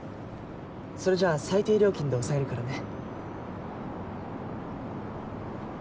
それじゃあ最低料金で抑えるからね。